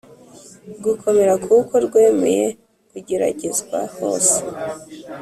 Gukomera kuko rwemeye kugeragezwa hose